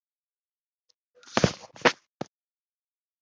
raporo y umugenzuzi w imari igomba kugaragaza